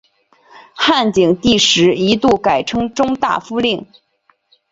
汉景帝时一度改称中大夫令。